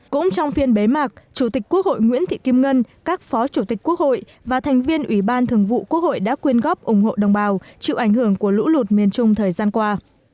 cũng trong phiên bế mạc chủ tịch quốc hội nguyễn thị kim ngân các phó chủ tịch quốc hội và thành viên ủy ban thường vụ quốc hội đã quyên góp ủng hộ đồng bào chịu ảnh hưởng của lũ lụt miền trung thời gian qua